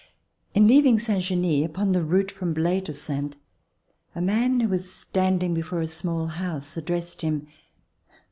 In leaving Saint Genis, upon the route from Blaye to Saintes, a man who was standing before a small house addressed him.